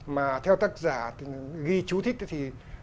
mà theo tác giả ghi chú thích thì